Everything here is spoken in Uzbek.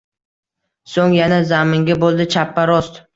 So‘ng yana zaminga bo‘ldi chappa-rost, —